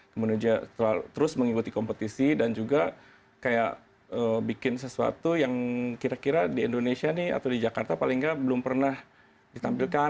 kemudian terus mengikuti kompetisi dan juga kayak bikin sesuatu yang kira kira di indonesia nih atau di jakarta paling nggak belum pernah ditampilkan